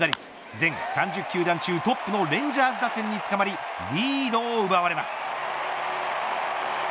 全３０球団中トップのレンジャーズ打線につかまりリードを奪われます。